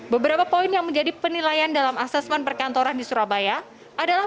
beberapa poin yang menjadi penilaian dalam asesmen perkantoran di surabaya adalah